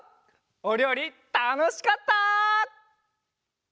おりょうりたのしかった！